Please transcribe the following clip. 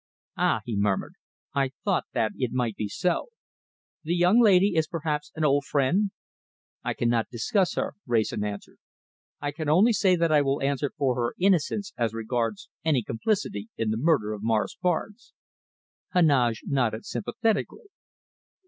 "Ah!" he murmured. "I thought that it might be so. The young lady is perhaps an old friend?" "I cannot discuss her," Wrayson answered. "I can only say that I will answer for her innocence as regards any complicity in the murder of Morris Barnes." Heneage nodded sympathetically.